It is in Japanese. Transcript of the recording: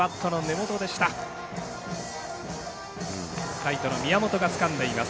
ライトの宮本がつかんでいます。